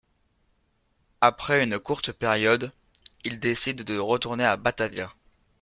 Après une courte période, il décide de retourner à Batavia.